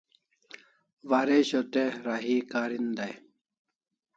Waresho te rahi karin dai